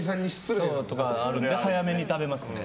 早めに食べますね。